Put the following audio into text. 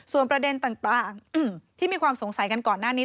ส่วนประเด็นต่างที่มีความสงสัยกันก่อนหน้านี้